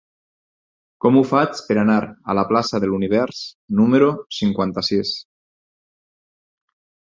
Com ho faig per anar a la plaça de l'Univers número cinquanta-sis?